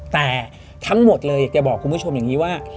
แต่ทั้งหมดเลยอยากจะบอกคุณผู้ชมอย่างนี้ว่า